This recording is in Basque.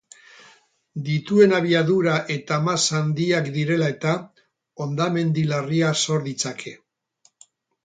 Dituen abiadura eta masa handiak direla-eta, hondamendi larriak sor ditzake.